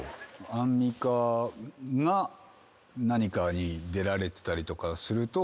アンミカが何かに出られてたりとかすると。